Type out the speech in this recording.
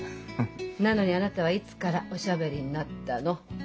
なのにあなたはいつからおしゃべりになったの？